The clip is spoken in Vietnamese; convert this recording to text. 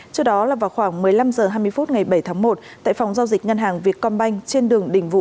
trước đó là vào khoảng một mươi năm h hai mươi phút ngày bảy tháng một tại phòng giao dịch ngân hàng việt công banh trên đường đình vũ